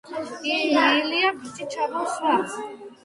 ილიამ ბიჭი ჩამოსვა.